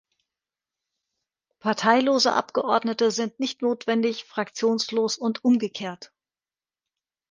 Parteilose Abgeordnete sind nicht notwendig fraktionslos und umgekehrt.